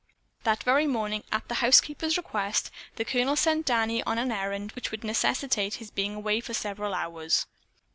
That very morning, at the housekeeper's request, the Colonel sent Danny on an errand which would necessitate his being away for several hours.